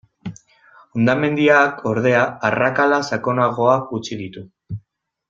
Hondamendiak, ordea, arrakala sakonagoak utzi ditu.